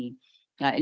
nah ini sangat penting